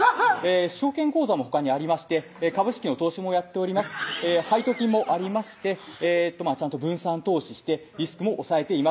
「証券口座もほかにありまして株式の投資もやっております」「配当金もありましてちゃんと分散投資してリスクも抑えています」